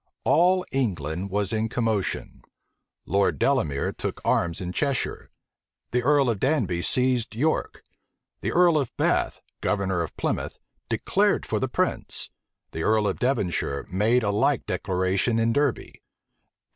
All England was in commotion. Lord Delamere took arms in Cheshire, the earl of Danby seized York, the earl of Bath, governor of Plymouth, declared for the prince, the earl of Devonshire made a like declaration in Derby.